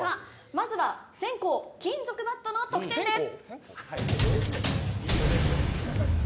まずは先攻金属バットの得点です。